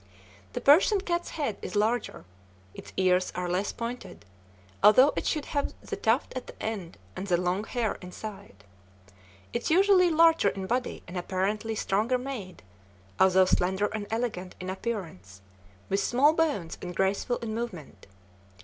The Persian cat's head is larger, its ears are less pointed, although it should have the tuft at the end and the long hair inside. It is usually larger in body and apparently stronger made, although slender and elegant in appearance, with small bones and graceful in movement.